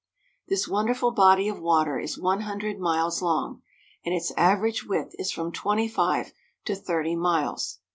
This wonderful body of water is one hundred miles long, and its average width is from twenty five to thirty miles.